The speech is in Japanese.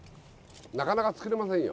なかなか作れませんよ。